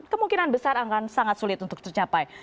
kemungkinan besar akan sangat sulit untuk tercapai